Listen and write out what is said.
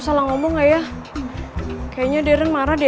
salah ngomong ya kayaknya deren marah deh